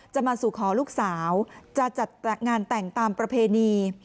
จะมาสู่ขอลูกสาวจะจัดงานแต่งตามประเพณี